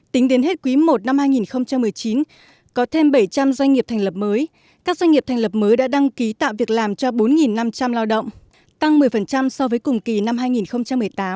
tính đến hết quý i năm hai nghìn một mươi chín có thêm bảy trăm linh doanh nghiệp thành lập mới các doanh nghiệp thành lập mới đã đăng ký tạo việc làm cho bốn năm trăm linh lao động tăng một mươi so với cùng kỳ năm hai nghìn một mươi tám